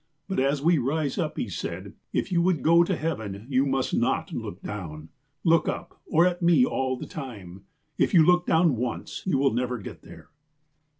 '^ 'But, as we rise up,' he said, 'if you would go to heaven, you must not look down. Look up, or at me, all the time. If you look down once, you will never get there.'